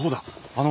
あの。